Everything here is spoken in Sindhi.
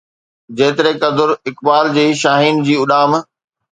جيتريقدر اقبال جي شاهين جي اڏام